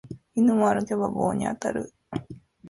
犬も歩けば棒に当たる